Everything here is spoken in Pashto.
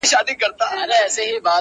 او د همداسې زرګونو مینه والو